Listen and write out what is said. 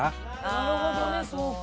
なるほどねそうか。